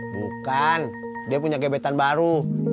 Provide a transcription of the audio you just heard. bukan dia punya gebetan baru